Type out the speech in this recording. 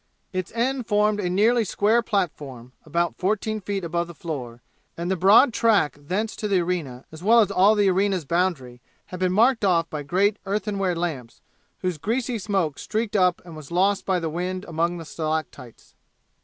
Its end formed a nearly square platform, about fourteen feet above the floor, and the broad track thence to the arena, as well as all the arena's boundary, had been marked off by great earthenware lamps, whose greasy smoke streaked up and was lost by the wind among the stalactites.